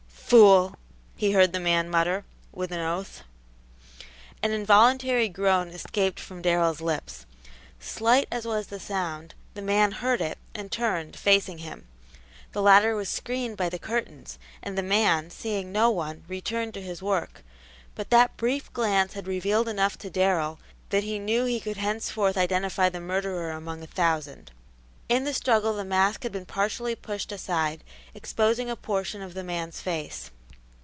"Fool!" he heard the man mutter, with an oath. An involuntary groan escaped from Darrell's lips. Slight as was the sound, the man heard it and turned, facing him; the latter was screened by the curtains, and the man, seeing no one, returned to his work, but that brief glance had revealed enough to Darrell that he knew he could henceforth identify the murderer among a thousand. In the struggle the mask had been partially pushed aside, exposing a portion of the man's face.